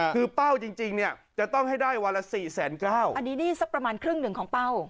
คือเป้าจริงเนี่ยจะต้องให้ได้วันละ๔๙๐๐อันนี้นี่สักประมาณครึ่งหนึ่งของเป้า